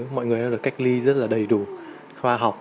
mọi người đã được cách ly rất là đầy đủ khoa học